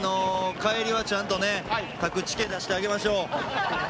帰りは、ちゃんとタクチケ出してあげましょう。